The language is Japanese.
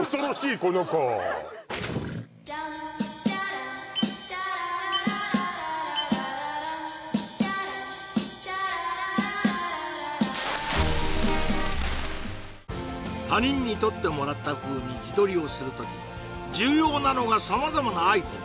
この野郎お前他人に撮ってもらった風に自撮りをする時重要なのが様々なアイテム